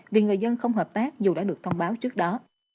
vì người dân không hợp tác dù đã được thông báo trước đó